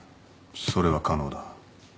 それは可能だ。